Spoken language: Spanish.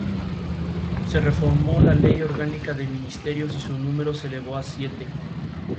Hizo estudios escolares en el Colegio Champagnat y en el Sagrados Corazones Recoleta.